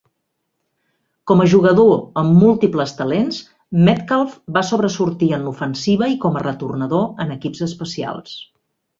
Com a jugador amb múltiples talents, Metcalf va sobresortir en l'ofensiva i com a retornador en equips especials.